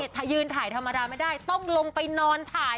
ถ้ายืนถ่ายธรรมดาไม่ได้ต้องลงไปนอนถ่าย